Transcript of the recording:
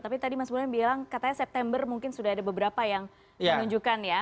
tapi tadi mas burhan bilang katanya september mungkin sudah ada beberapa yang menunjukkan ya